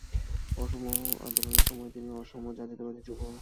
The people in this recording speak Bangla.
অসম আন্দোলনের সময়ে তিনি অসম জাতীয়তাবাদী যুব ছাত্র পরিষদের সহিত জড়িত ছিলেন।